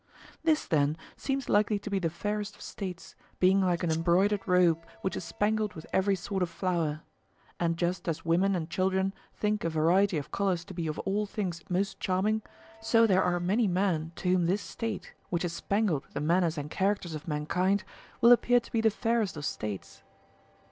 This, then, seems likely to be the fairest of States, being like an embroidered robe which is spangled with every sort of flower. And just as women and children think a variety of colours to be of all things most charming, so there are many men to whom this State, which is spangled with the manners and characters of mankind, will appear to be the fairest of States.